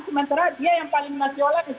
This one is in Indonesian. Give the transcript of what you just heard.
sementara dia yang paling nasionalis